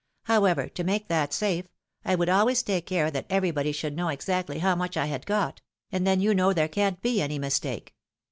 However, to make that safe, I would always take care that every body should know exactly how much I had got — and then you know there can't be any mistake.